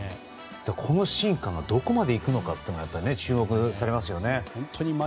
この進化がどこまでいくのか注目されますよね。